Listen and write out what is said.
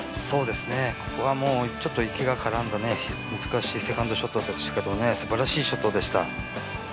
ここは池が絡んだ難しいセカンドショットでしたけどすばらしいショットでした。